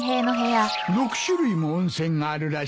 ６種類も温泉があるらしいぞ。